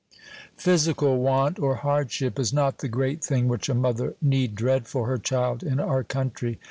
Physical want or hardship is not the great thing which a mother need dread for her child in our country.